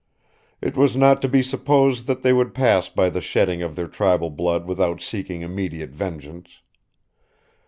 It was not to be supposed that they would pass by the shedding of their tribal blood without seeking immediate vengeance.